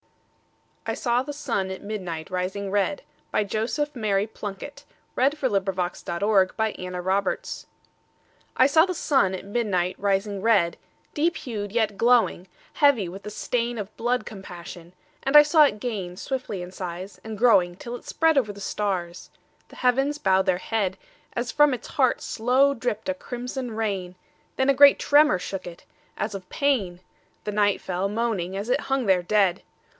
k of English Mystical Verse. 1917. Joseph Mary Plunkett (1887–1916) 341. I saw the Sun at Midnight, rising red I SAW the Sun at midnight, rising red, Deep hued yet glowing, heavy with the stainOf blood compassion, and I saw It gainSwiftly in size and growing till It spreadOver the stars; the heavens bowed their headAs from Its heart slow dripped a crimson rain, Then a great tremor shook It, as of pain—The night fell, moaning, as It hung there dead.